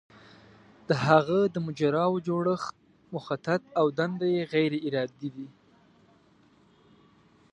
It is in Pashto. د هغه د مجراوو جوړښت مخطط او دنده یې غیر ارادي ده.